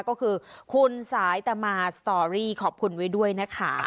ก็คือคุณสายตามาสตอรี่ขอบคุณไว้ด้วยนะคะ